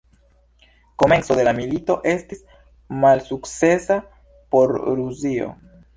Komenco de la milito estis malsukcesa por Rusio.